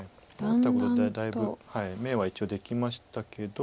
思ったほどだいぶ眼は一応できましたけど。